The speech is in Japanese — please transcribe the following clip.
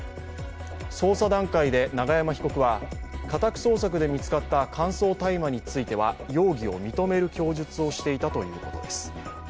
捜査段階で永山被告は家宅捜索で見つかった乾燥大麻については容疑を認める供述をしていたということです。